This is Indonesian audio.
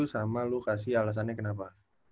sama lu kasih alasannya kenapa